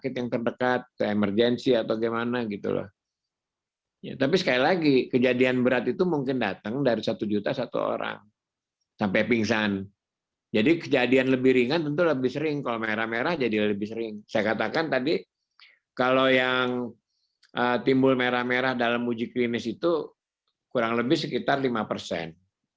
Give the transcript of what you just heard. timbul merah merah dalam uji klinis itu kurang lebih sekitar lima persen